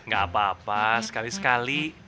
gak apa apa sekali sekali